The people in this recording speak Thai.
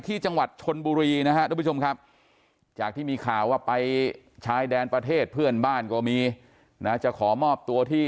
ที่จังหวัดชนบุรีนะฮะทุกผู้ชมครับจากที่มีข่าวว่าไปชายแดนประเทศเพื่อนบ้านก็มีนะจะขอมอบตัวที่